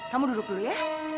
kamu duduk dulu ya